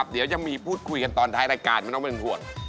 เดี๋ยวยังมีพูดคุยกันตอนท้ายรายการไม่ต้องเป็นห่วง